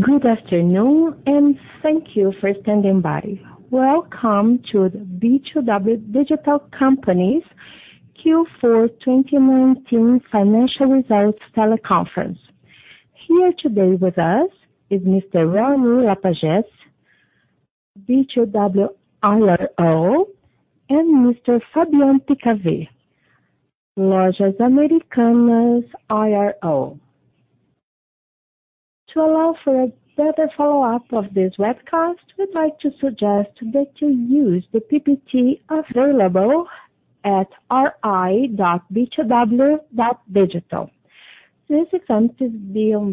Good afternoon, and thank you for standing by. Welcome to the B2W Digital's Q4 2019 Financial Results Teleconference. Here today with us is Mr. Raoni Lapagesse, B2W IRO, and Mr. Fabian Picave, Lojas Americanas IRO. To allow for a better follow-up of this webcast, we'd like to suggest that you use the PPT available at ri.b2w.digital. This event is being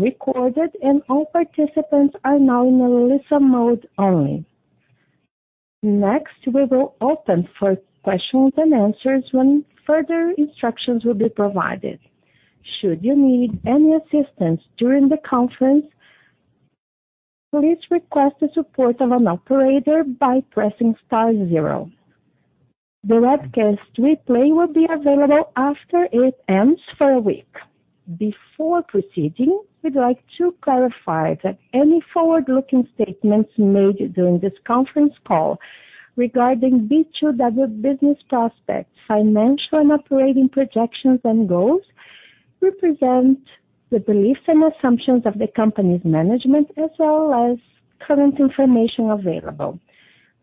recorded, and all participants are now in a listen mode only. Next, we will open for questions and answers when further instructions will be provided. Should you need any assistance during the conference, please request the support of an operator by pressing star zero. The webcast replay will be available after it ends for a week. Before proceeding, we'd like to clarify that any forward-looking statements made during this conference call regarding B2W business prospects, financial and operating projections and goals, represent the beliefs and assumptions of the company's management, as well as current information available.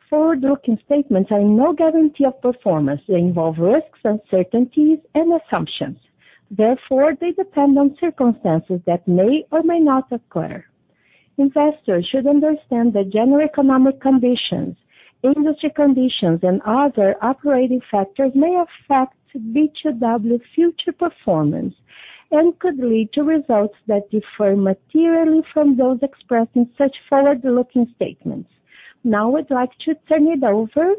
Forward-looking statements are no guarantee of performance. They involve risks, uncertainties, and assumptions. They depend on circumstances that may or may not occur. Investors should understand that general economic conditions, industry conditions, and other operating factors may affect B2W's future performance and could lead to results that differ materially from those expressed in such forward-looking statements. I'd like to turn it over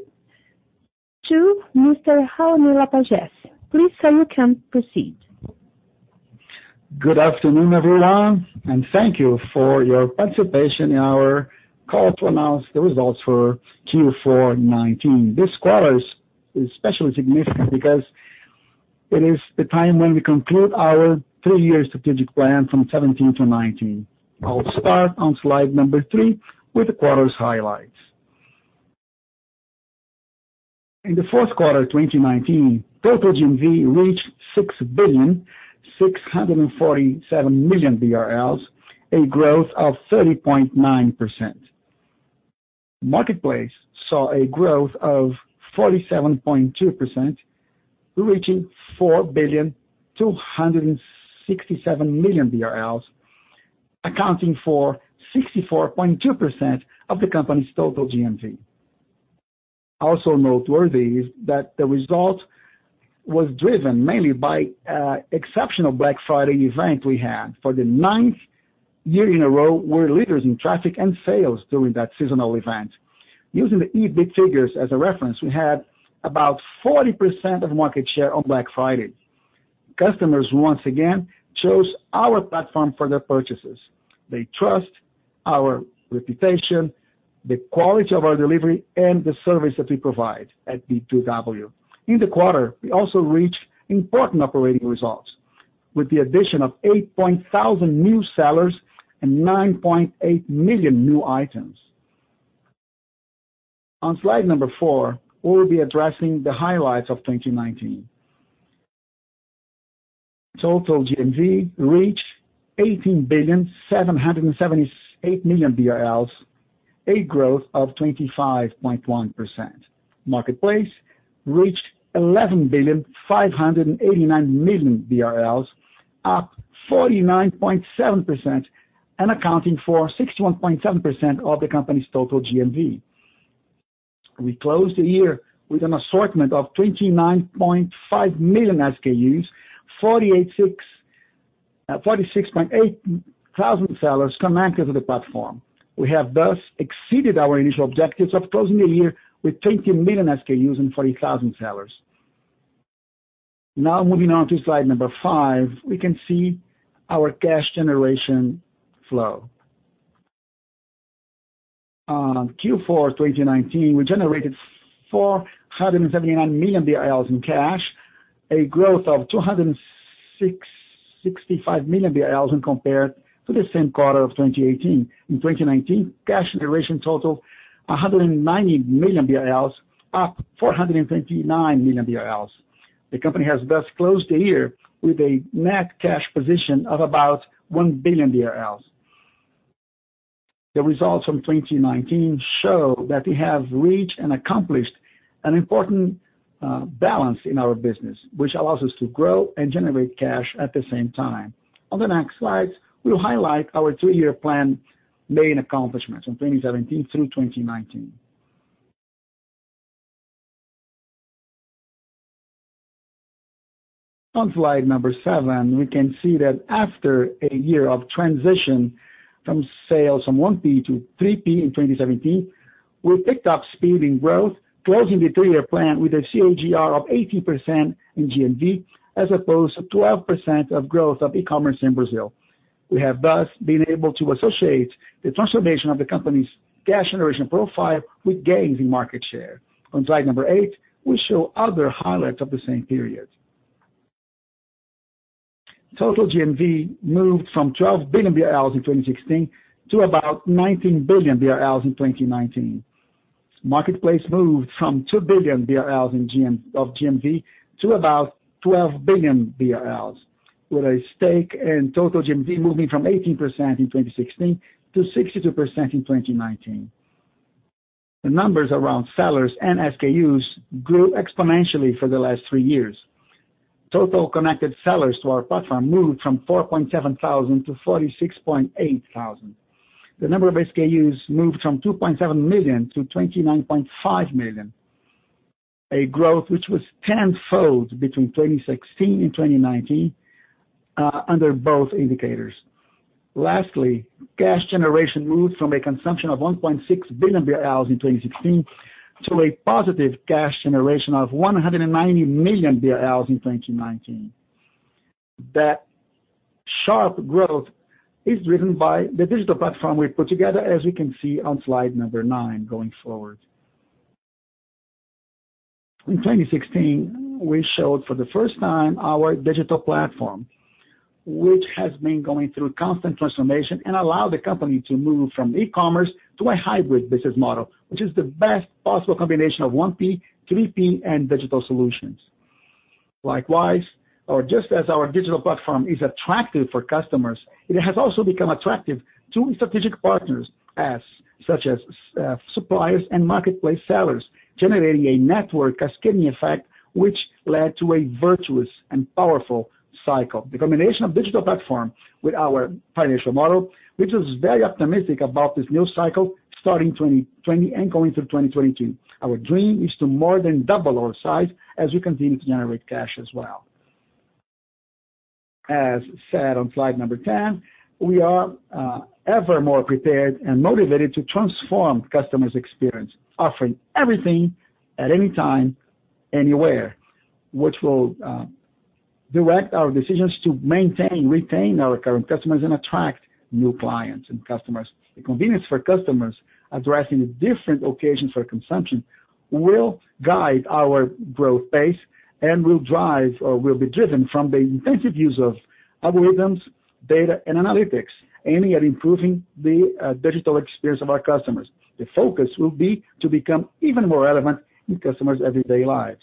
to Mr. Raoni Lapagesse. Please sir, you can proceed. Good afternoon, everyone. Thank you for your participation in our call to announce the results for Q4 2019. This quarter is especially significant because it is the time when we conclude our three-year strategic plan from 2017-2019. I'll start on slide three with the quarter's highlights. In the fourth quarter of 2019, total GMV reached 6.647 billion, a growth of 30.9%. Marketplace saw a growth of 47.2%, reaching BRL 4.267 billion, accounting for 64.2% of the company's total GMV. Also noteworthy is that the result was driven mainly by exceptional Black Friday event we had. For the ninth year in a row, we're leaders in traffic and sales during that seasonal event. Using the EBIT figures as a reference, we had about 40% of market share on Black Friday. Customers once again chose our platform for their purchases. They trust our reputation, the quality of our delivery, and the service that we provide at B2W. In the quarter, we also reached important operating results with the addition of 8,000 new sellers and 9.8 million new items. On slide number four, we'll be addressing the highlights of 2019. Total GMV reached 18 billion, 778 million, a growth of 25.1%. Marketplace reached 11 billion, 589 million, up 49.7% and accounting for 61.7% of the company's total GMV. We closed the year with an assortment of 29.5 million SKUs, 46.8 thousand sellers connected to the platform. We have thus exceeded our initial objectives of closing the year with 20 million SKUs and 40,000 sellers. Moving on to slide number five, we can see our cash generation flow. On Q4 2019, we generated 479 million in cash, a growth of 265 million when compared to the same quarter of 2018. In 2019, cash generation totaled 190 million, up 429 million. The company has thus closed the year with a net cash position of about 1 billion. The results from 2019 show that we have reached and accomplished an important balance in our business, which allows us to grow and generate cash at the same time. On the next slides, we'll highlight our three-year plan main accomplishments from 2017 through 2019. On slide number seven, we can see that after a year of transition from sales from 1P-3P in 2017, we picked up speed in growth, closing the three-year plan with a CAGR of 18% in GMV, as opposed to 12% of growth of e-commerce in Brazil. We have thus been able to associate the transformation of the company's cash generation profile with gains in market share. On slide number eight, we show other highlights of the same period. Total GMV moved from 12 billion BRL in 2016 to about 19 billion BRL in 2019. Marketplace moved from 2 billion BRL of GMV to about 12 billion BRL, with a stake in total GMV moving from 18% in 2016 to 62% in 2019. The numbers around sellers and SKUs grew exponentially for the last three years. Total connected sellers to our platform moved from 4,700-46,800. The number of SKUs moved from 2.7 million to 29.5 million. A growth which was tenfold between 2016 and 2019 under both indicators. Lastly, cash generation moved from a consumption of 1.6 billion in 2016 to a positive cash generation of 190 million BRL in 2019. That sharp growth is driven by the digital platform we put together, as we can see on slide number nine going forward. In 2016, we showed for the first time our digital platform, which has been going through constant transformation and allowed the company to move from e-commerce to a hybrid business model, which is the best possible combination of 1P, 3P, and digital solutions. Likewise, just as our digital platform is attractive for customers, it has also become attractive to strategic partners such as suppliers and marketplace sellers, generating a network cascading effect which led to a virtuous and powerful cycle. The combination of digital platform with our financial model, which is very optimistic about this new cycle starting 2020 and going through 2022. Our dream is to more than double our size as we continue to generate cash as well. As said on slide number 10, we are ever more prepared and motivated to transform customers' experience, offering everything at any time, anywhere, which will direct our decisions to maintain, retain our current customers, and attract new clients and customers. The convenience for customers addressing the different occasions for consumption will guide our growth pace and will drive or will be driven from the intensive use of algorithms, data, and analytics, aiming at improving the digital experience of our customers. The focus will be to become even more relevant in customers' everyday lives.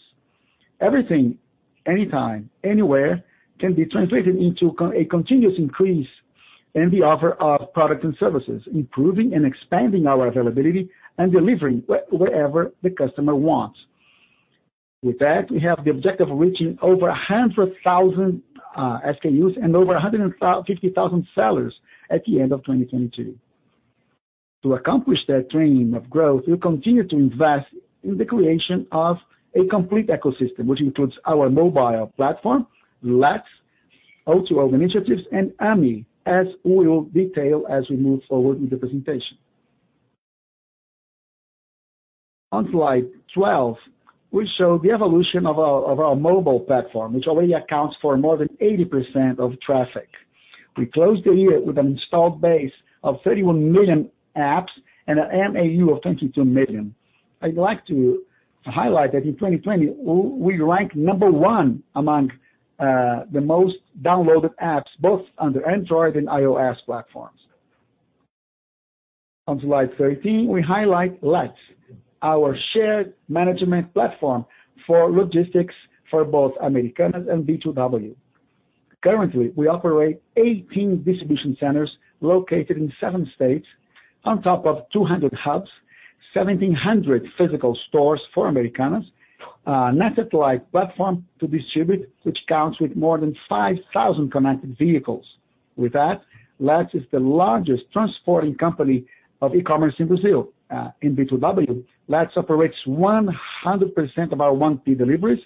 Everything, anytime, anywhere, can be translated into a continuous increase in the offer of products and services, improving and expanding our availability, and delivering wherever the customer wants. With that, we have the objective of reaching over 100,000 SKUs and over 150,000 sellers at the end of 2022. To accomplish that dream of growth, we'll continue to invest in the creation of a complete ecosystem, which includes our mobile platform, Loggi, O2O initiatives, and Ame, as we will detail as we move forward in the presentation. On slide 12, we show the evolution of our mobile platform, which already accounts for more than 80% of traffic. We closed the year with an installed base of 31 million apps and an MAU of 22 million. I'd like to highlight that in 2020, we ranked number one among the most downloaded apps, both under Android and iOS platforms. On slide 13, we highlight Loggi, our shared management platform for logistics for both Americanas and B2W. Currently, we operate 18 distribution centers located in seven states on top of 200 hubs, 1,700 physical stores for Americanas, a network like platform to distribute, which counts with more than 5,000 connected vehicles. With that, Loggi is the largest transporting company of e-commerce in Brazil. In B2W, Loggi operates 100% of our 1P deliveries,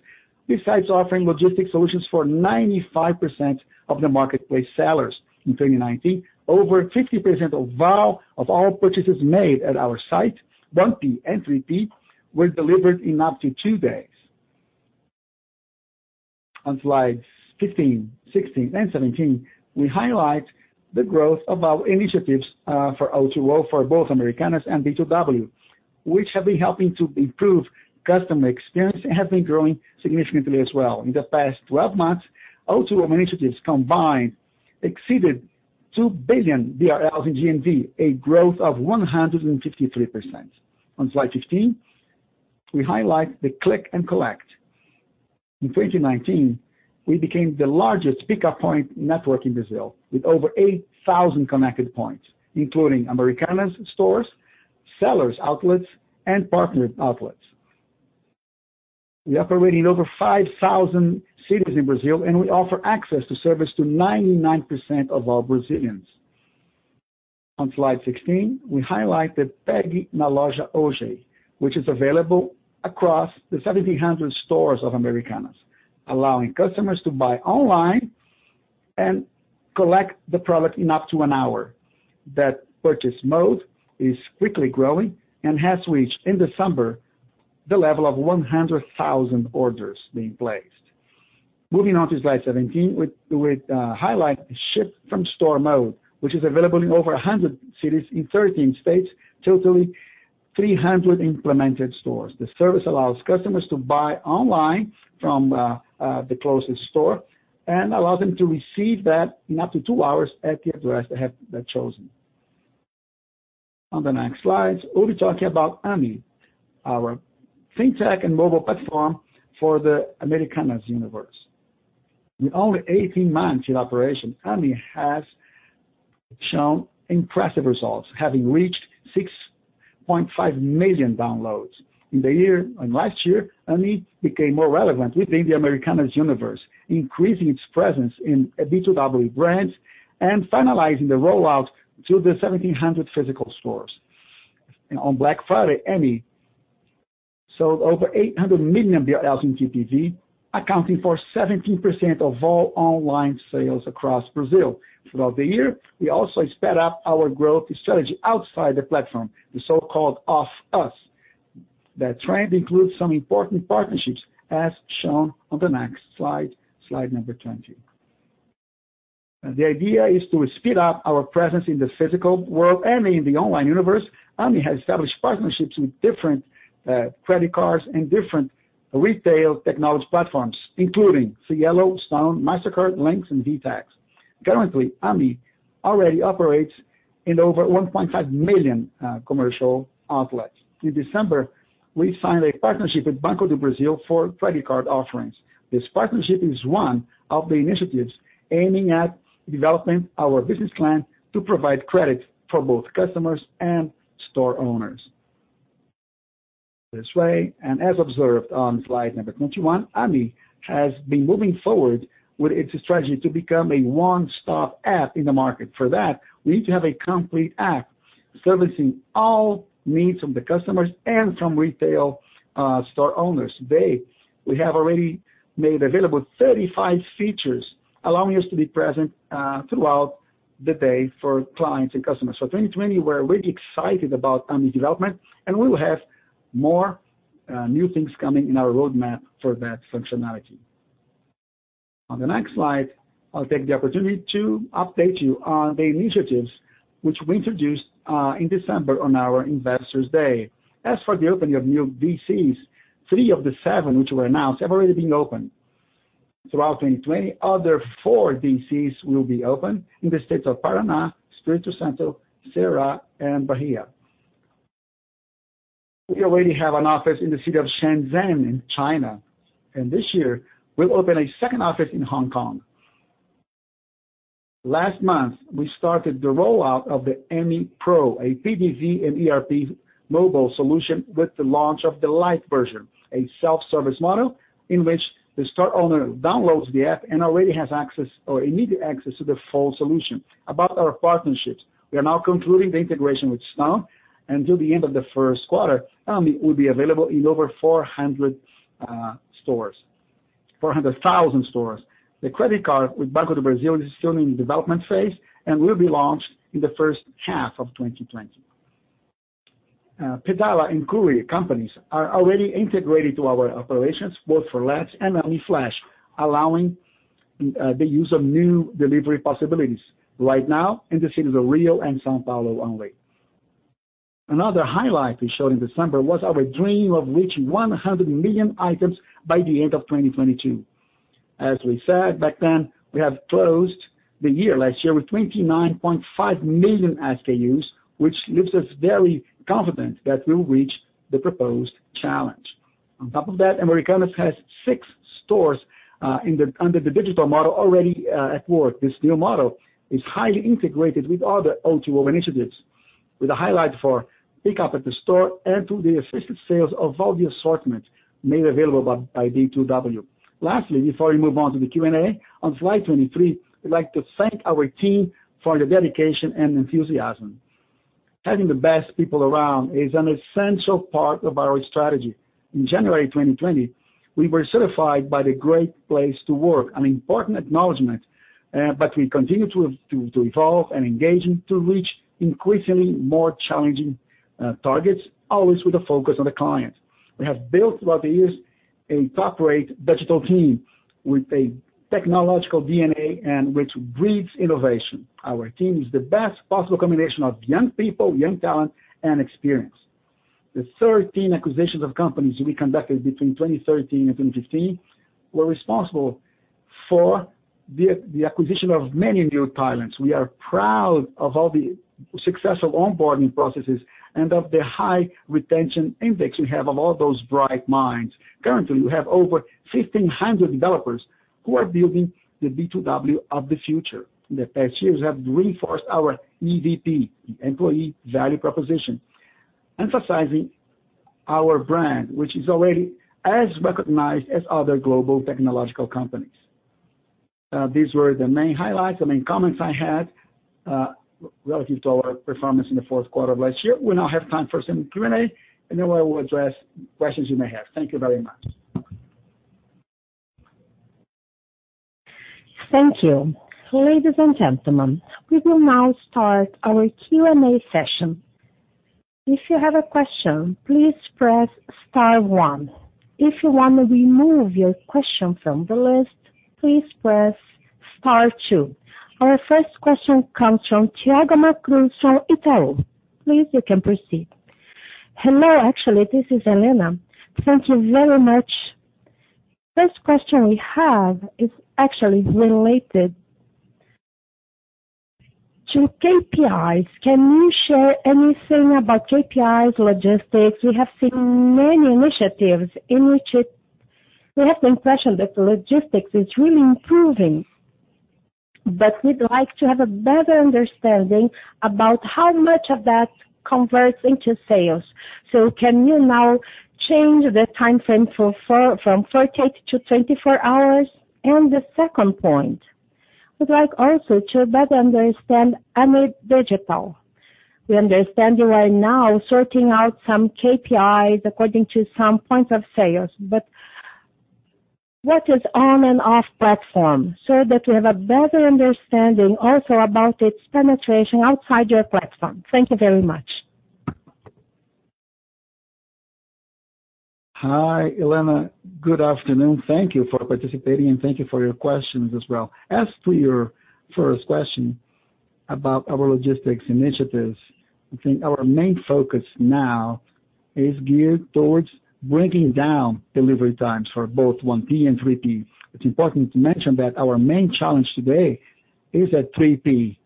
besides offering logistics solutions for 95% of the Marketplace sellers. In 2019, over 50% of all purchases made at our site, 1P and 3P, were delivered in up to two days. On slides 15, 16, and 17, we highlight the growth of our initiatives for O2O for both Americanas and B2W, which have been helping to improve customer experience and have been growing significantly as well. In the past 12 months, O2O initiatives combined exceeded 2 billion BRL in GMV, a growth of 153%. On slide 15, we highlight the click and collect. In 2019, we became the largest pickup point network in Brazil, with over 8,000 connected points, including Americanas stores, sellers' outlets, and partnered outlets. We operate in over 5,000 cities in Brazil, and we offer access to service to 99% of all Brazilians. On slide 16, we highlight the Pegue na Loja Hoje, which is available across the 1,700 stores of Americanas, allowing customers to buy online and collect the product in up to an hour. That purchase mode is quickly growing and has reached, in December, the level of 100,000 orders being placed. Moving on to slide 17, we highlight the ship-from-store mode, which is available in over 100 cities in 13 states, totaling 300 implemented stores. The service allows customers to buy online from the closest store and allows them to receive that in up to two hours at the address they have chosen. On the next slides, we'll be talking about Ame, our fintech and mobile platform for the Americanas universe. In only 18 months in operation, Ame has shown impressive results, having reached 6.5 million downloads. In last year, Ame became more relevant within the Americanas universe, increasing its presence in B2W brands and finalizing the rollout to the 1,700 physical stores. On Black Friday, Ame sold over 800 million BRL TPV, accounting for 17% of all online sales across Brazil. Throughout the year, we also sped up our growth strategy outside the platform, the so-called off us. That trend includes some important partnerships, as shown on the next slide number 20. The idea is to speed up our presence in the physical world and in the online universe. Ame has established partnerships with different credit cards and different retail technology platforms, including Cielo, Stone, Mastercard, Linx, and VTEX. Currently, Ame already operates in over 1.5 million commercial outlets. In December, we signed a partnership with Banco do Brasil for credit card offerings. This partnership is one of the initiatives aiming at developing our business plan to provide credit for both customers and store owners. This way, and as observed on slide number 21, Ame has been moving forward with its strategy to become a one-stop app in the market. For that, we need to have a complete app servicing all needs from the customers and from retail store owners. Today, we have already made available 35 features allowing us to be present throughout the day for clients and customers. In 2020, we're really excited about Ame development, and we will have more new things coming in our roadmap for that functionality. On the next slide, I'll take the opportunity to update you on the initiatives which we introduced in December on our Investors Day. As for the opening of new DCs, three of the seven which were announced have already been opened. Throughout 2020, other four DCs will be opened in the states of Paraná, Espírito Santo, Ceará, and Bahia. We already have an office in the city of Shenzhen in China, and this year we'll open a second office in Hong Kong. Last month, we started the rollout of the Ame Pro, a POS and ERP mobile solution with the launch of the Lite version, a self-service model in which the store owner downloads the app and already has immediate access to the full solution. About our partnerships, we are now concluding the integration with Stone. By the end of the first quarter, Ame will be available in over 400,000 stores. The credit card with Banco do Brasil is still in the development phase and will be launched in the first half of 2020. Pedala and Courri companies are already integrated into our operations, both for Log and Ame Flash, allowing the use of new delivery possibilities right now in the cities of Rio and São Paulo only. Another highlight we showed in December was our dream of reaching 100 million items by the end of 2022. As we said back then, we have closed the year last year with 29.5 million SKUs, which leaves us very confident that we will reach the proposed challenge. On top of that, Americanas has six stores under the digital model already at work. This new model is highly integrated with other O2O initiatives, with a highlight for pickup at the store and to the assisted sales of all the assortment made available by B2W. Lastly, before we move on to the Q&A, on slide 23, we'd like to thank our team for their dedication and enthusiasm. Having the best people around is an essential part of our strategy. In January 2020, we were certified by the Great Place to Work, an important acknowledgment, but we continue to evolve and engage to reach increasingly more challenging targets, always with a focus on the client. We have built, throughout the years, a top-rate digital team with a technological DNA and which breeds innovation. Our team is the best possible combination of young people, young talent, and experience. The 13 acquisitions of companies we conducted between 2013 and 2015 were responsible for the acquisition of many new talents. We are proud of all the successful onboarding processes and of the high retention index we have of all those bright minds. Currently, we have over 1,500 developers who are building the B2W of the future. In the past years, we have reinforced our EVP, employee value proposition, emphasizing our brand, which is already as recognized as other global technological companies. These were the main highlights, the main comments I had relative to our performance in the fourth quarter of last year. We now have time for some Q&A, and then I will address questions you may have. Thank you very much. Thank you. Ladies and gentlemen, we will now start our Q&A session. If you have a question, please press star one. If you want to remove your question from the list, please press star two. Our first question comes from Thiago Macruz from Itaú. Please, you can proceed. Hello. Actually, this is Helena. Thank you very much. First question we have is actually related to KPIs. Can you share anything about KPIs logistics? We have seen many initiatives in which We have the impression that the logistics is really improving, but we'd like to have a better understanding about how much of that converts into sales. Can you now change the timeframe from 48-24 hours? The second point, we'd like also to better understand Ame Digital. We understand you are now sorting out some KPIs according to some points of sales, but what is on and off platform so that we have a better understanding also about its penetration outside your platform? Thank you very much. Hi, Helena. Good afternoon. Thank you for participating, and thank you for your questions as well. As to your first question about our logistics initiatives, I think our main focus now is geared towards bringing down delivery times for both 1P and 3P. It's important to mention that our main challenge today is at 3P.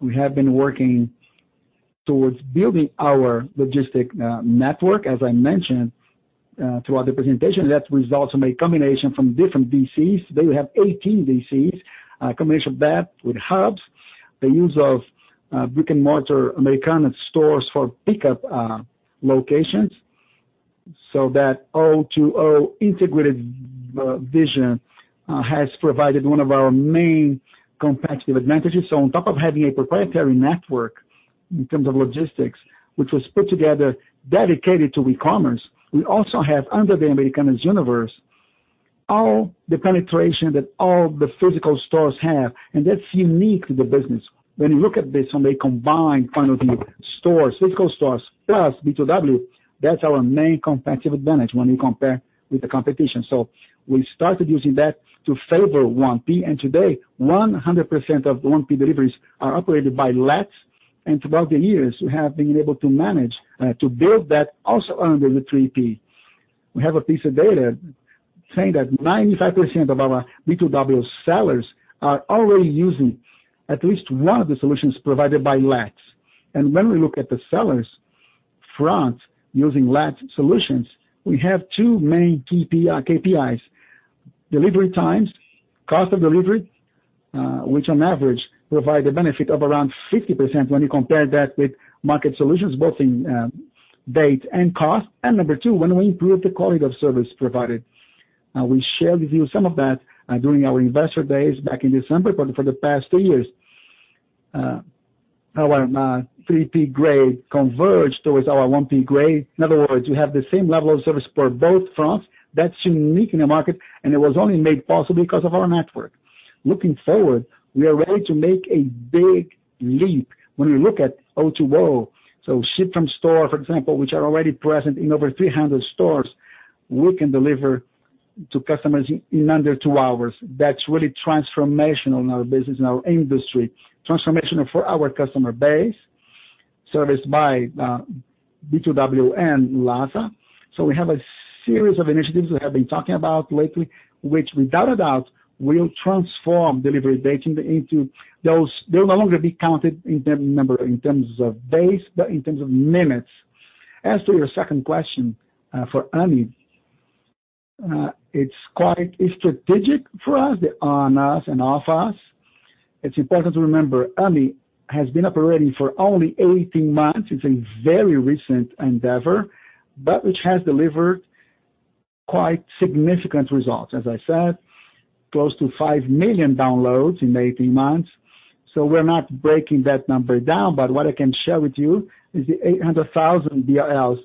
We have been working towards building our logistic network, as I mentioned throughout the presentation. That results in a combination from different DCs. Today we have 18 DCs, a combination of that with hubs, the use of brick-and-mortar Americanas stores for pickup locations, so that O2O integrated vision has provided one of our main competitive advantages. On top of having a proprietary network in terms of logistics, which was put together dedicated to e-commerce, we also have, under the Americanas universe, all the penetration that all the physical stores have, and that's unique to the business. When you look at this from a combined point of view, stores, physical stores, plus B2W, that's our main competitive advantage when you compare with the competition. We started using that to favor 1P, and today 100% of 1P deliveries are operated by Let's. Throughout the years, we have been able to manage to build that also under the 3P. We have a piece of data saying that 95% of our B2W sellers are already using at least one of the solutions provided by Let's. When we look at the sellers front using Let's solutions, we have two main KPIs: delivery times, cost of delivery, which on average provide a benefit of around 50% when you compare that with market solutions, both in date and cost. Number two, when we improve the quality of service provided. We shared with you some of that during our Investors Day back in December. For the past two years, our 3P grade converged towards our 1P grade. In other words, we have the same level of service for both fronts. That's unique in the market, and it was only made possible because of our network. Looking forward, we are ready to make a big leap when we look at O2O. Ship-from-store, for example, which are already present in over 300 stores, we can deliver to customers in under two hours. That's really transformational in our business and our industry. Transformational for our customer base, serviced by B2W and LASA. We have a series of initiatives we have been talking about lately, which, without a doubt, will transform delivery dates. They'll no longer be counted in terms of days, but in terms of minutes. As to your second question for Ame, it's quite strategic for us, the on us and off us. It's important to remember Ame has been operating for only 18 months. It's a very recent endeavor, but which has delivered quite significant results. As I said, close to five million downloads in 18 months. We're not breaking that number down, but what I can share with you is the 800,000 BRL in PDV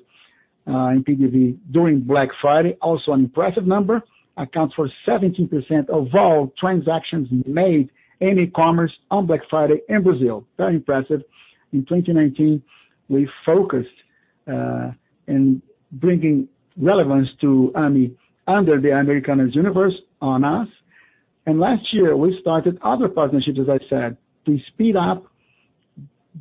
during Black Friday. Also an impressive number. Accounts for 17% of all transactions made in e-commerce on Black Friday in Brazil. Very impressive. In 2019, we focused in bringing relevance to Ame under the Americanas universe on us. Last year, we started other partnerships, as I said, to speed up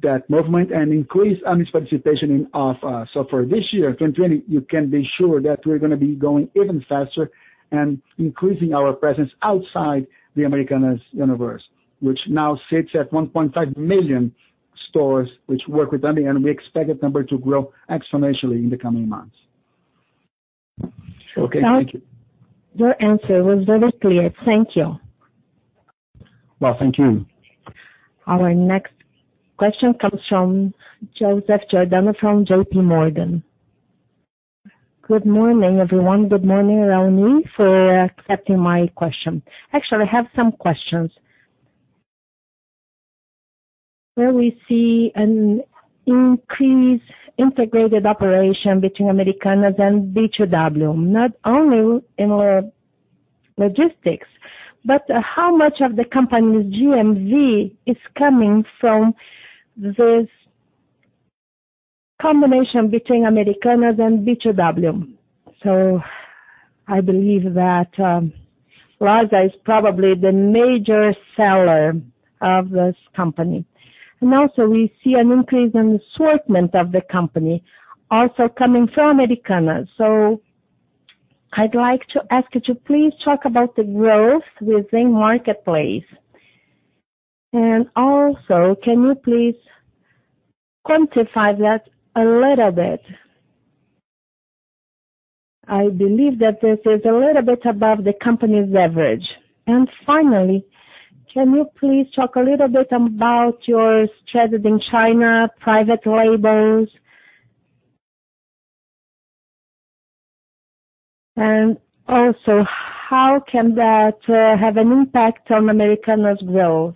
that movement and increase Ame's participation in off us. For this year, 2020, you can be sure that we're going to be going even faster and increasing our presence outside the Americanas universe, which now sits at 1.5 million stores which work with Ame, and we expect that number to grow exponentially in the coming months. Okay. Thank you. Your answer was very clear. Thank you. Well, thank you. Our next question comes from Joseph Giordano from JPMorgan. Good morning, everyone. Good morning, Raoni, for accepting my question. Actually, I have some questions. Where we see an increased integrated operation between Americanas and B2W, not only in our logistics, but how much of the company's GMV is coming from this combination between Americanas and B2W. I believe that LASA is probably the major seller of this company. We see an increase in the assortment of the company also coming from Americanas. I'd like to ask you to please talk about the growth within marketplace. Can you please quantify that a little bit? I believe that this is a little bit above the company's average. Finally, can you please talk a little bit about your strategy in China, private labels, and also how can that have an impact on Americanas' growth,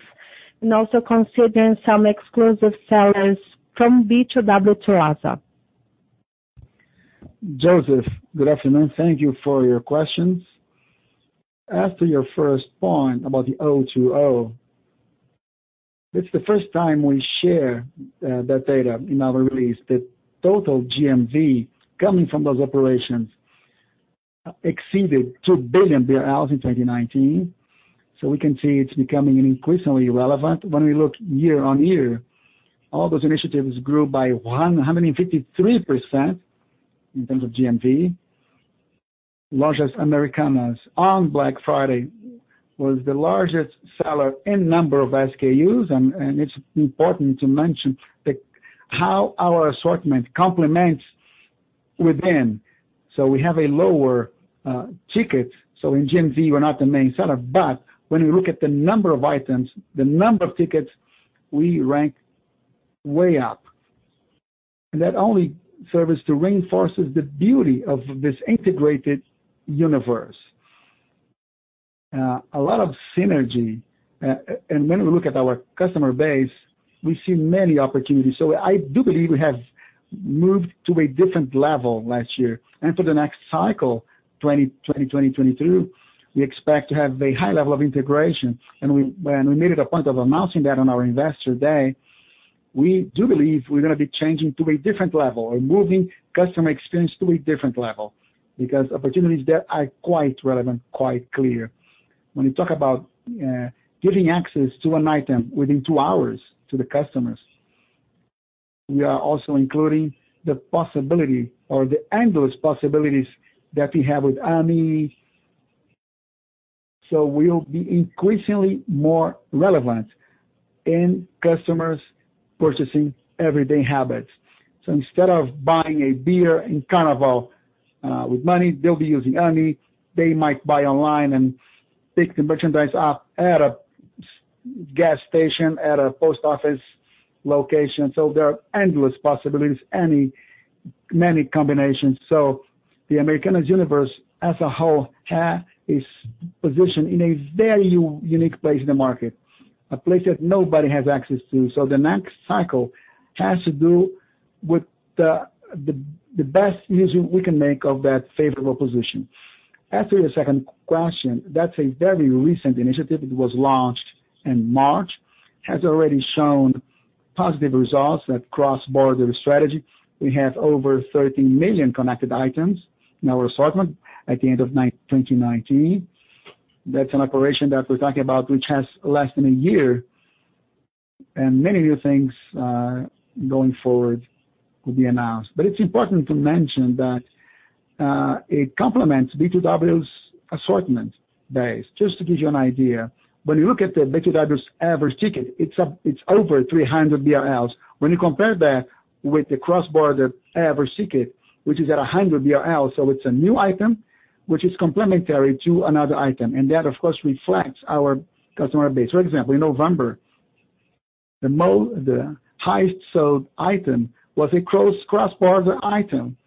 and also considering some exclusive sellers from B2W to LASA? Joseph, good afternoon. Thank you for your questions. As to your first point about the O2O, it's the first time we share that data in our release. The total GMV coming from those operations exceeded BRL 2 billion in 2019. We can see it's becoming increasingly relevant. When we look year-on-year, all those initiatives grew by 153% in terms of GMV. Lojas Americanas on Black Friday was the largest seller in number of SKUs, and it's important to mention how our assortment complements within. We have a lower ticket, so in GMV, we're not the main seller. When we look at the number of items, the number of tickets, we rank way up. That only serves to reinforce the beauty of this integrated universe. A lot of synergy. When we look at our customer base, we see many opportunities. I do believe we have moved to a different level last year. For the next cycle, 2020, 2022, we expect to have a high level of integration. We made it a point of announcing that on our Investors Day. We do believe we're going to be changing to a different level or moving customer experience to a different level, because opportunities there are quite relevant, quite clear. When you talk about giving access to an item within two hours to the customers, we are also including the possibility or the endless possibilities that we have with Ame. We'll be increasingly more relevant in customers' purchasing everyday habits. Instead of buying a beer in Carnival with money, they'll be using Ame. They might buy online and pick the merchandise up at a gas station, at a post office location. There are endless possibilities, many combinations. The Americanas universe as a whole is positioned in a very unique place in the market, a place that nobody has access to. The next cycle has to do with the best use we can make of that favorable position. As to your second question, that's a very recent initiative. It was launched in March, has already shown positive results, that cross-border strategy. We have over 13 million connected items in our assortment at the end of 2019. That's an operation that we're talking about, which has less than a year, and many new things going forward will be announced. It's important to mention that it complements B2W's assortment base. Just to give you an idea, when you look at the B2W's average ticket, it's over 300 BRL. When you compare that with the cross-border average ticket, which is at 100 BRL. It's a new item, which is complementary to another item, and that of course reflects our customer base. For example, in November, the highest sold item was a cross-border item,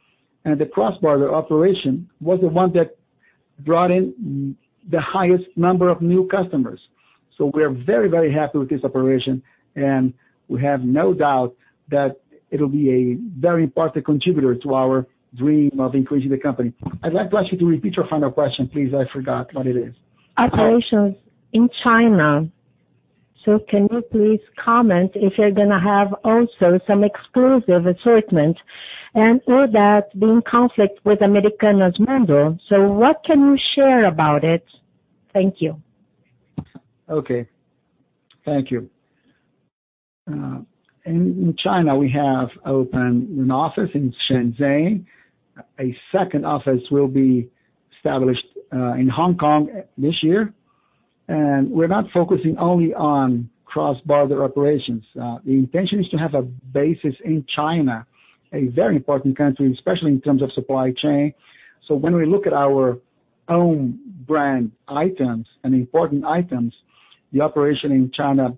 and the cross-border operation was the one that brought in the highest number of new customers. We are very happy with this operation, and we have no doubt that it'll be a very important contributor to our dream of increasing the company. I'd like to ask you to repeat your final question, please. I forgot what it is. Operations in China. Can you please comment if you're going to have also some exclusive assortment and will that be in conflict with Americanas model? What can you share about it? Thank you. Okay. Thank you. In China, we have opened an office in Shenzhen. A second office will be established in Hong Kong this year. We're not focusing only on cross-border operations. The intention is to have a basis in China, a very important country, especially in terms of supply chain. When we look at our own brand items and important items, the operation in China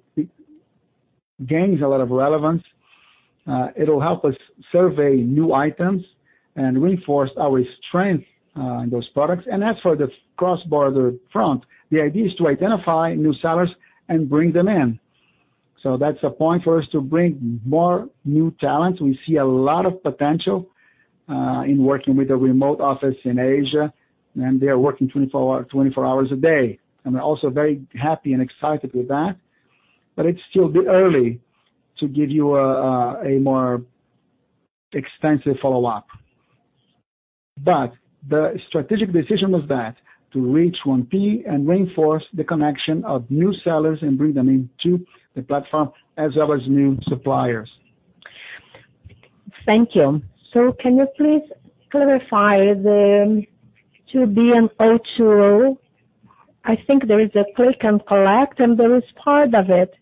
gains a lot of relevance. It'll help us survey new items and reinforce our strength in those products. As for the cross-border front, the idea is to identify new sellers and bring them in. That's a point for us to bring more new talent. We see a lot of potential in working with a remote office in Asia, and they are working 24 hours a day, and we're also very happy and excited with that. It's still a bit early to give you a more extensive follow-up. The strategic decision was that, to reach 1P and reinforce the connection of new sellers and bring them into the platform as well as new suppliers. Thank you. Can you please clarify the B2W and O2O? I think there is a click and collect, and there is part of it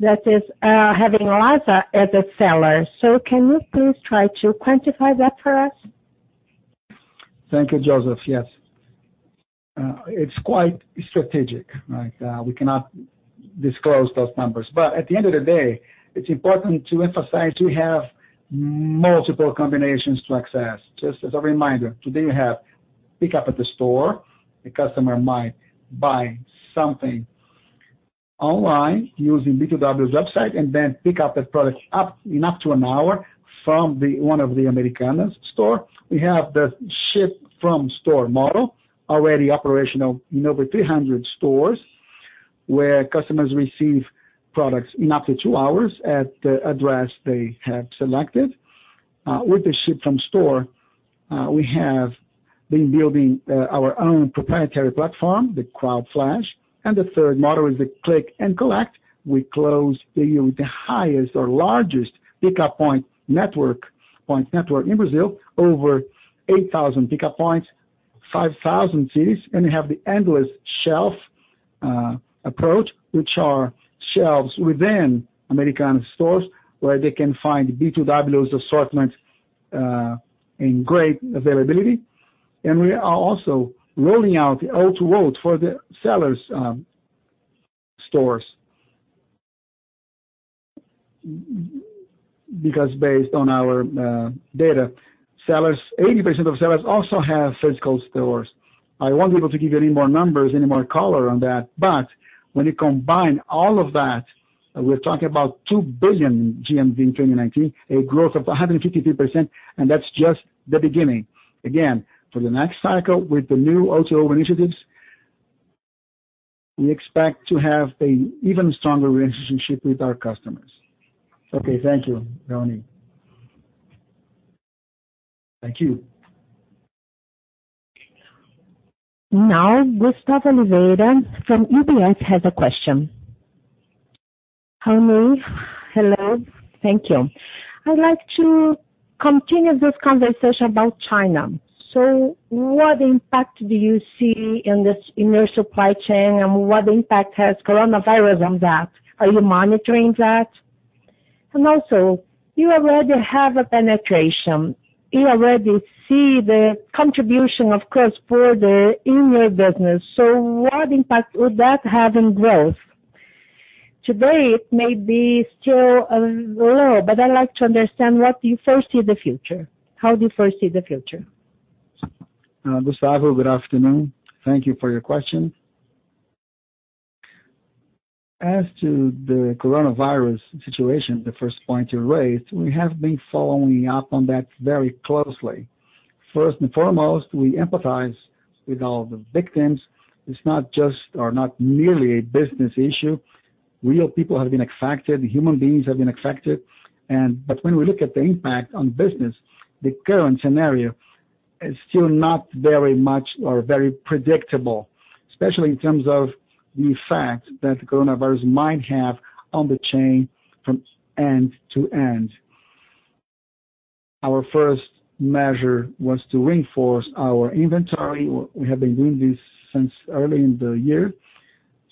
that is having LASA as a seller. Can you please try to quantify that for us? Thank you, Joseph. Yes. It's quite strategic, right? We cannot disclose those numbers. At the end of the day, it's important to emphasize we have multiple combinations to access. Just as a reminder, today you have pickup at the store. A customer might buy something online using B2W's website and then pick up that product in up to an hour from one of the Americanas store. We have the ship-from-store model, already operational in over 300 stores, where customers receive products in up to two hours at the address they have selected. With the ship-from-store, we have been building our own proprietary platform, the Cloud Flash. The third model is the click and collect. We closed the year with the highest or largest pickup point network in Brazil, over 8,000 pickup points, 5,000 cities. We have the endless aisle approach, which are shelves within Americanas stores where they can find B2W's assortment in great availability. We are also rolling out O2O for the sellers' stores. Based on our data, 80% of sellers also have physical stores. I won't be able to give you any more numbers, any more color on that. When you combine all of that, we're talking about 2 billion GMV in 2019, a growth of 153%, and that's just the beginning. Again, for the next cycle, with the new O2O initiatives, we expect to have an even stronger relationship with our customers. Okay. Thank you, Raoni. Thank you. Gustavo Oliveira from UBS has a question. Raoni, hello. Thank you. I'd like to continue this conversation about China. What impact do you see in your supply chain, and what impact has coronavirus on that? Are you monitoring that? Also, you already have a penetration. You already see the contribution, of course, further in your business. What impact would that have in growth? Today, it may be still low, but I'd like to understand what do you foresee the future. How do you foresee the future? Gustavo, good afternoon. Thank you for your question. As to the coronavirus situation, the first point you raised, we have been following up on that very closely. First and foremost, we empathize with all the victims. It is not just or not merely a business issue. Real people have been affected. Human beings have been affected. When we look at the impact on business, the current scenario is still not very much or very predictable, especially in terms of the effect that coronavirus might have on the chain from end to end. Our first measure was to reinforce our inventory. We have been doing this since early in the year,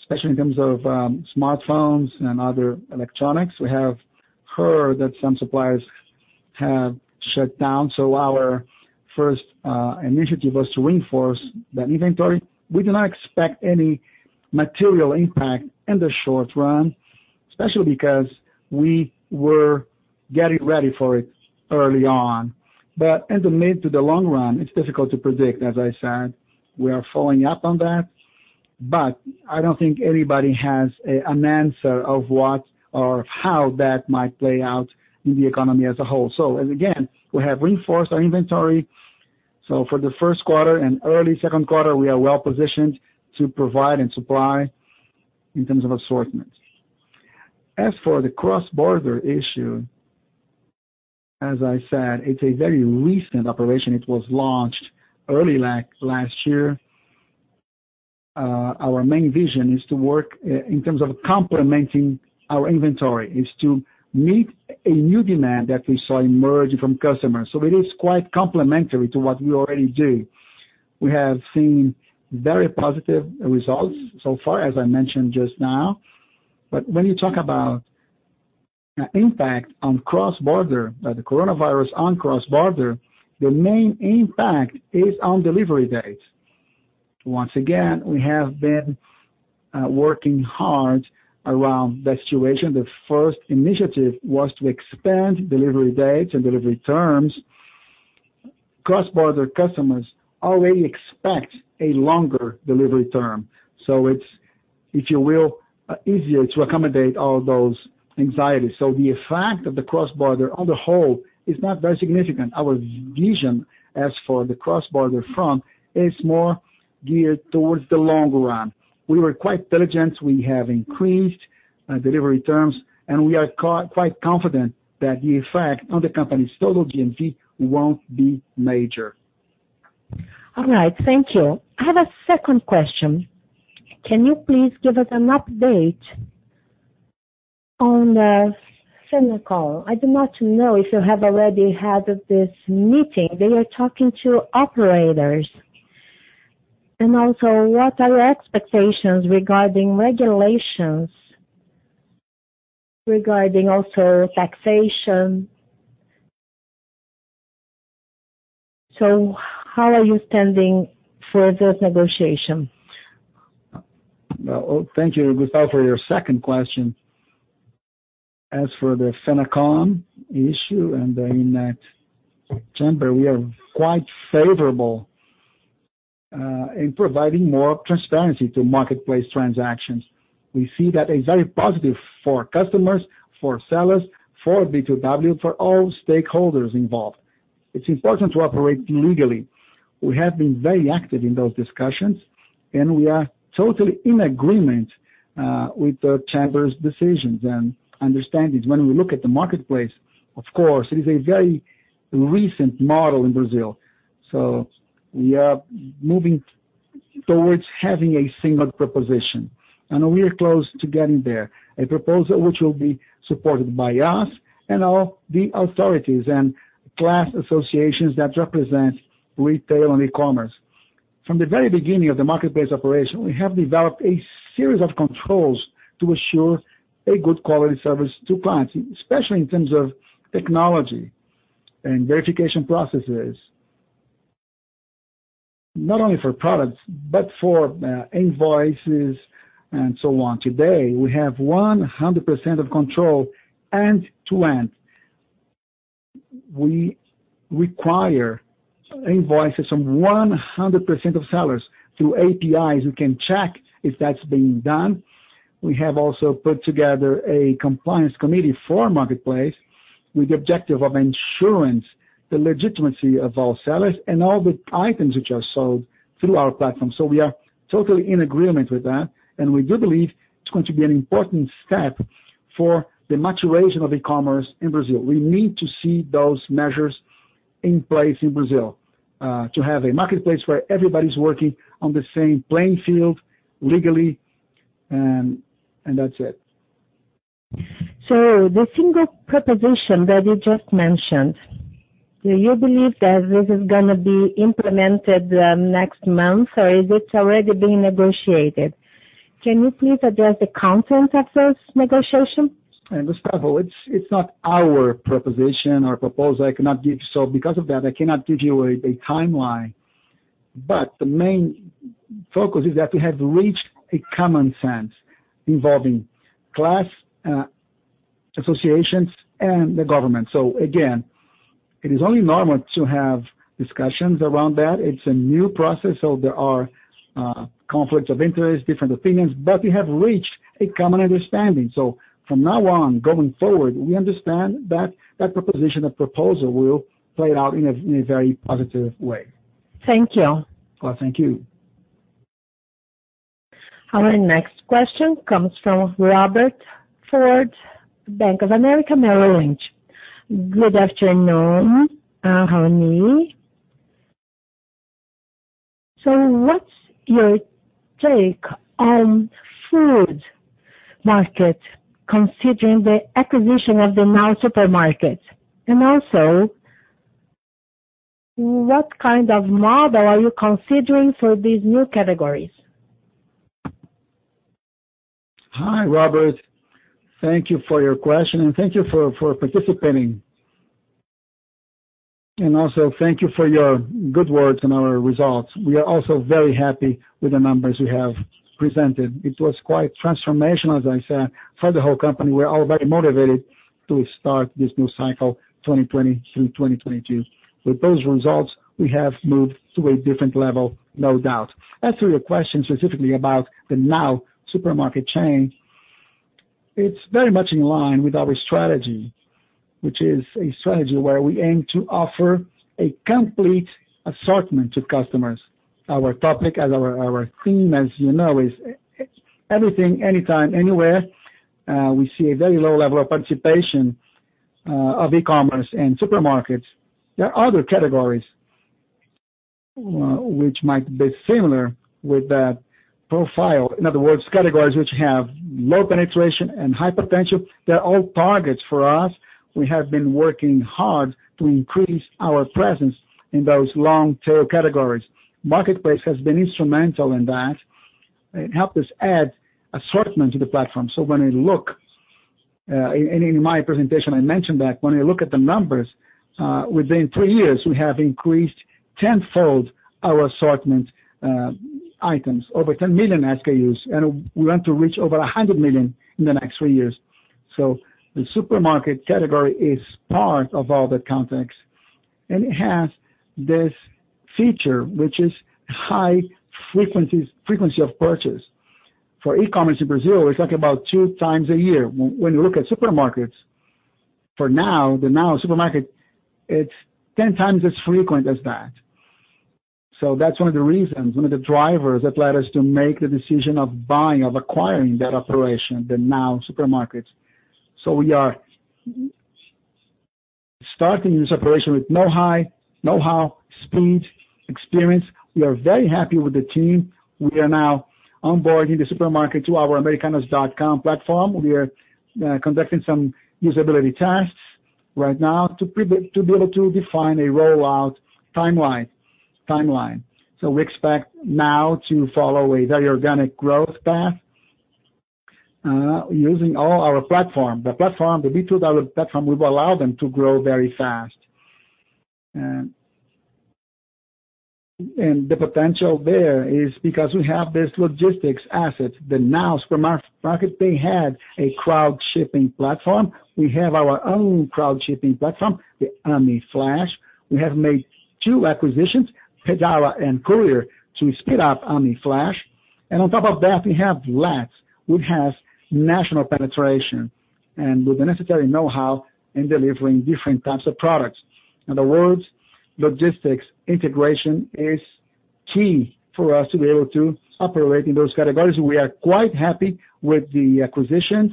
especially in terms of smartphones and other electronics. We have heard that some suppliers have shut down. Our first initiative was to reinforce that inventory. We do not expect any material impact in the short run, especially because we were getting ready for it early on. In the mid to the long run, it's difficult to predict, as I said. We are following up on that. I don't think anybody has an answer of what or how that might play out in the economy as a whole. Again, we have reinforced our inventory. For the first quarter and early second quarter, we are well positioned to provide and supply in terms of assortment. As for the cross-border issue, as I said, it's a very recent operation. It was launched early last year. Our main vision is to work in terms of complementing our inventory, is to meet a new demand that we saw emerge from customers. It is quite complementary to what we already do. We have seen very positive results so far, as I mentioned just now. When you talk about the impact of the coronavirus on cross-border, the main impact is on delivery dates. Once again, we have been working hard around that situation. The first initiative was to expand delivery dates and delivery terms. Cross-border customers already expect a longer delivery term, so it's, if you will, easier to accommodate all those anxieties. The effect of the cross-border on the whole is not very significant. Our vision as for the cross-border front is more geared towards the long run. We were quite diligent. We have increased delivery terms, and we are quite confident that the effect on the company's total GMV won't be major. All right. Thank you. I have a second question. Can you please give us an update on the FENACON? I do not know if you have already had this meeting. They were talking to operators. What are your expectations regarding regulations, regarding also taxation? How are you standing for those negotiation? Thank you, Gustavo, for your second question. As for the FENACON issue and in that chamber, we are quite favorable in providing more transparency to Marketplace transactions. We see that as very positive for customers, for sellers, for B2W, for all stakeholders involved. It's important to operate legally. We have been very active in those discussions, and we are totally in agreement with the chamber's decisions and understandings. When we look at the Marketplace, of course, it is a very recent model in Brazil, so we are moving towards having a single proposition, and we are close to getting there. A proposal which will be supported by us and all the authorities and class associations that represent retail and e-commerce. From the very beginning of the Marketplace operation, we have developed a series of controls to assure a good quality service to clients, especially in terms of technology and verification processes, not only for products, but for invoices and so on. Today, we have 100% of control end to end. We require invoices from 100% of sellers through APIs who can check if that's being done. We have also put together a compliance committee for Marketplace with the objective of ensuring the legitimacy of all sellers and all the items which are sold through our platform. We are totally in agreement with that, and we do believe it's going to be an important step for the maturation of e-commerce in Brazil. We need to see those measures in place in Brazil, to have a Marketplace where everybody's working on the same playing field legally and that's it. The single proposition that you just mentioned, do you believe that this is going to be implemented next month, or is it already being negotiated? Can you please address the content of those negotiation? Gustavo, it's not our proposition or proposal. Because of that, I cannot give you a timeline. The main focus is that we have reached a common sense involving class associations and the government. Again, it is only normal to have discussions around that. It's a new process, so there are conflicts of interest, different opinions, but we have reached a common understanding. From now on, going forward, we understand that that proposition of proposal will play out in a very positive way. Thank you. Well, thank you. Our next question comes from Robert Ford, Bank of America, Merrill Lynch. Good afternoon, Raoni. What's your take on food market considering the acquisition of Supermercado Now? What kind of model are you considering for these new categories? Hi, Robert. Thank you for your question and thank you for participating. Also thank you for your good words on our results. We are also very happy with the numbers we have presented. It was quite transformational, as I said, for the whole company. We're all very motivated to start this new cycle 2023, 2022. With those results, we have moved to a different level, no doubt. As to your question specifically about the Supermercado Now chain, it's very much in line with our strategy, which is a strategy where we aim to offer a complete assortment to customers. Our topic and our theme, as you know, is everything, anytime, anywhere. We see a very low level of participation of e-commerce and supermarkets. There are other categories which might be similar with that profile. In other words, categories which have low penetration and high potential, they're all targets for us. We have been working hard to increase our presence in those long tail categories. Marketplace has been instrumental in that. It helped us add assortment to the platform. In my presentation, I mentioned that when you look at the numbers, within three years, we have increased tenfold our assortment items. Over 10 million SKUs, and we want to reach over 100 million in the next three years. The supermarket category is part of all that context, and it has this feature, which is high frequency of purchase. For e-commerce in Brazil, it's like about 2x a year. When you look at supermarkets, for Supermercado Now, the Supermercado Now, it's 10x as frequent as that. That's one of the reasons, one of the drivers that led us to make the decision of buying, of acquiring that operation, the Supermercado Now. We are starting this operation with know-how, speed, experience. We are very happy with the team. We are now onboarding the supermarket to our Americanas.com platform. We are conducting some usability tests right now to be able to define a rollout timeline. We expect Now to follow a very organic growth path using all our platform. The B2W platform will allow them to grow very fast. The potential there is because we have this logistics asset, the Supermercado Now, they had a crowd shipping platform. We have our own crowd shipping platform, the Ame Flash. We have made two acquisitions, Pedala and Courri, to speed up Ame Flash. On top of that, we have Let's, which has national penetration and with the necessary know-how in delivering different types of products. In other words, logistics integration is key for us to be able to operate in those categories. We are quite happy with the acquisitions.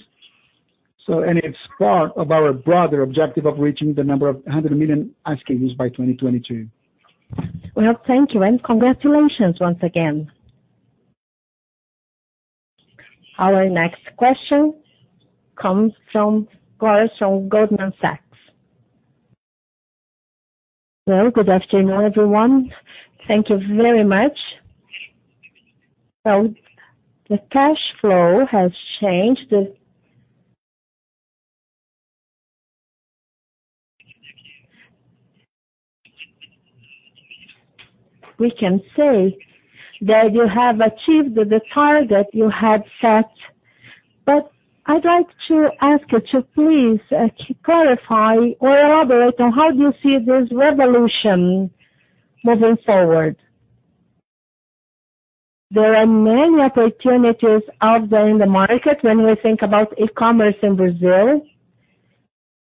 It's part of our broader objective of reaching the number of 100 million SKUs by 2022. Well, thank you, and congratulations once again. Our next question comes from Clarissa of Goldman Sachs. Hello, good afternoon, everyone. Thank you very much. The cash flow has changed. We can say that you have achieved the target you had set, but I'd like to ask you to please clarify or elaborate on how you see this revolution moving forward. There are many opportunities out there in the market when we think about e-commerce in Brazil.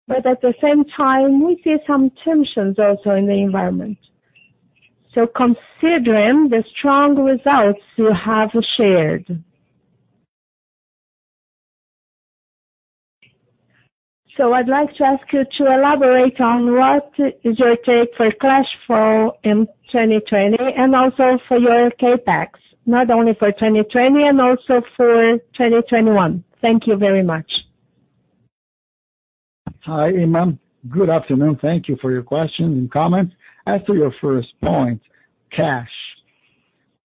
At the same time, we see some tensions also in the environment. Considering the strong results you have shared, I'd like to ask you to elaborate on what is your take for cash flow in 2020 and also for your CapEx, not only for 2020 and also for 2021. Thank you very much. Hi, Clarissa. Good afternoon. Thank you for your question and comments. As to your first point, cash.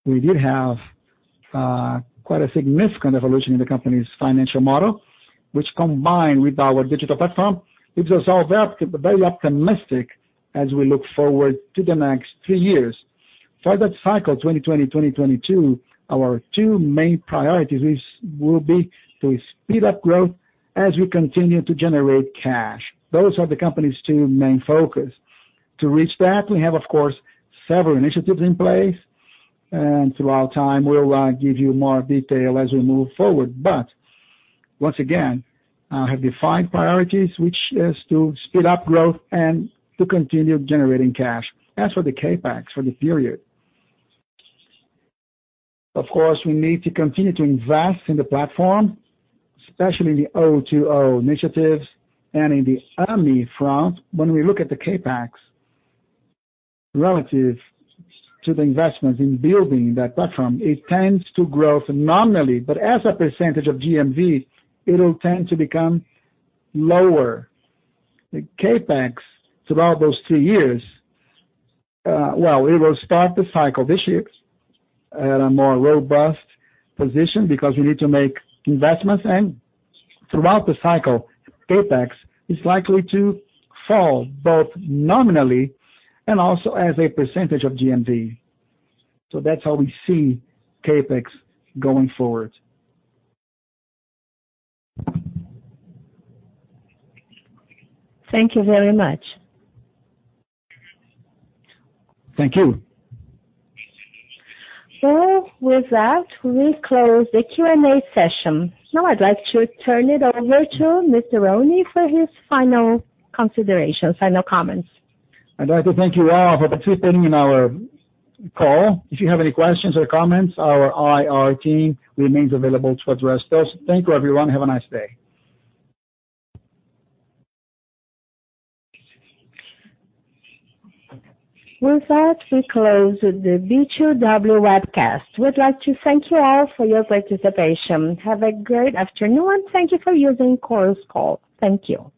We did have quite a significant evolution in the company's financial model, which combined with our digital platform, leaves us all very optimistic as we look forward to the next three years. For that cycle, 2020, 2022, our two main priorities will be to speed up growth as we continue to generate cash. Those are the company's two main focus. To reach that, we have, of course, several initiatives in place. Throughout time, we'll give you more detail as we move forward. Once again, I have defined priorities, which is to speed up growth and to continue generating cash. As for the CapEx for the period, of course, we need to continue to invest in the platform, especially in the O2O initiatives and in the Ame front. When we look at the CapEx relative to the investments in building that platform, it tends to grow nominally, but as a percentage of GMV, it'll tend to become lower. The CapEx throughout those two years, well, it will start the cycle this year at a more robust position because we need to make investments, and throughout the cycle, CapEx is likely to fall both nominally and also as a percentage of GMV. That's how we see CapEx going forward. Thank you very much. Thank you. With that, we close the Q&A session. Now I'd like to turn it over to Mr. Raoni for his final considerations, final comments. I'd like to thank you all for participating in our call. If you have any questions or comments, our IR team remains available to address those. Thank you, everyone. Have a nice day. With that, we close the B2W webcast. We'd like to thank you all for your participation. Have a great afternoon. Thank you for using Chorus Call. Thank you.